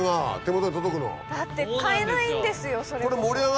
だって買えないんですよ。